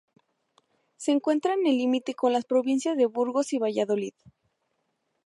Se encuentra en el límite con las provincias de Burgos y Valladolid.